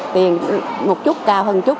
tiền một chút cao hơn chút